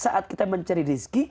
saat kita mencari rizki